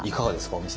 お店。